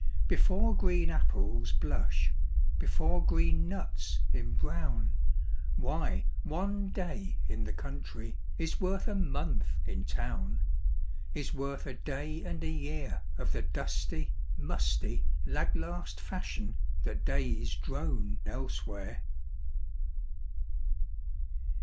Before green apples blush, Before green nuts embrown, Why, one day in the country Is worth a month in town; Is worth a day and a year Of the dusty, musty, lag last fashion That days drone elsewhere.